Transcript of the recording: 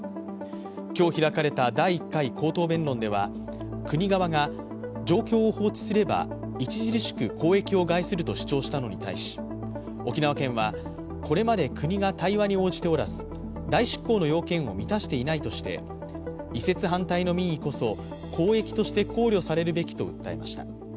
今日開かれた第１回口頭弁論では国側が状況を放置すれば著しく公益を害すると主張したのに対し沖縄県は、これまで国が対話に応じておらず、代執行の要件を満たしていないとして移設反対の民意こそ、公益として考慮されるべきと訴えました。